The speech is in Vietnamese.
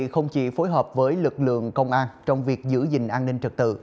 không chỉ phối hợp với lực lượng công an trong việc giữ gìn an ninh trật tự